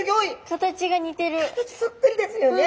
形そっくりですよね。